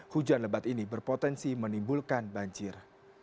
hujan lebat ini berpotensi menimbulkan banjir